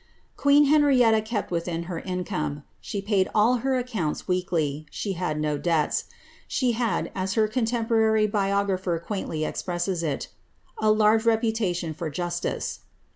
Qneen Henrietta kept within her income ; she paid all her accounts 'sekly ; she had no debts. She had, as her contemporary biographer ■undy expresses it, ^^ a large reputation for justice.''